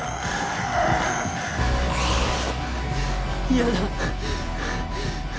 嫌だ。